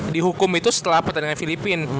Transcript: dihukum itu setelah pertandingan filipina